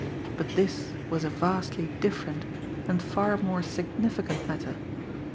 But this was a vastly different, and far more significant matter.